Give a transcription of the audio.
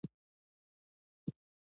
يو وخت يې يخنې وشوه.